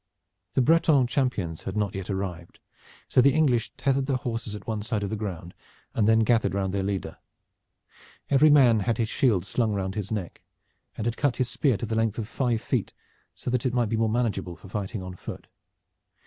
The Breton champions had not yet arrived, so the English tethered their horses at one side of the ground, and then gathered round their leader. Every man had his shield slung round his neck, and had cut his spear to the length of five feet so that it might be more manageable for fighting on foot.